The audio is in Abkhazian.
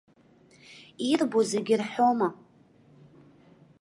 Ирбо зегь рҳәома!